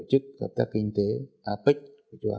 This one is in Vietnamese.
chúng ta nên dựa vào họ